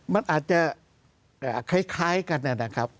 มันอาจจะคล้ายกันนะครับ